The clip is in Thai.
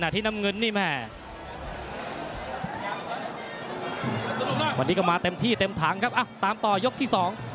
ตอนนี้ก็มาเต็มที่เต็มทั้งครับตามต่อยกที่๒